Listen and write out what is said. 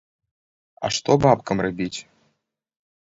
А што бабкам рабіць?